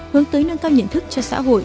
hướng tới nâng cao nhận thức cho xã hội